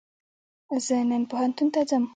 زه نن پوهنتون ته ځم